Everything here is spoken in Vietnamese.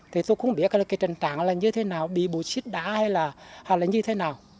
thì tôi không biết cái trình trạng là như thế nào bị bụi xít đá hay là như thế nào